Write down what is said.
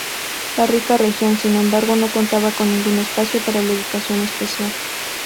La rica región, sin embargo, no contaba con ningún espacio para la educación especial.